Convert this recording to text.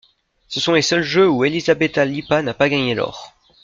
Ce sont les seuls jeux où Elisabeta Lipă n'a pas gagné l'or.